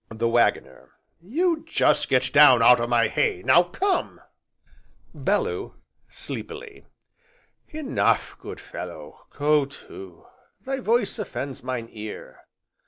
THE WAGGONER. You jest get down out o' my hay, now come! BELLEW. (Sleepily) Enough, good fellow, go to! thy voice offends mine ear!